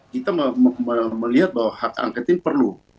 kita melihat bahwa hak angket ini perlu